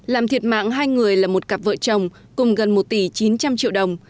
làm thiệt mạng hai người là một cặp vợ chồng cùng gần một tỷ chín trăm linh triệu đồng